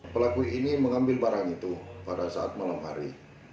pelaku ini mengambil barang itu pada saat malam hari